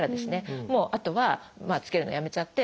もうあとはつけるのをやめちゃって。